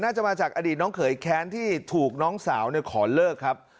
น่าจะมาจากอดีตน้องเขยแค้นที่ถูกน้องสาวขอเลิกครับ